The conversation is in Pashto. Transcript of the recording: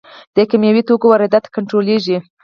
د کیمیاوي توکو واردات کنټرولیږي؟